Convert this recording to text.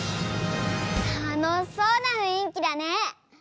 たのしそうなふんいきだね。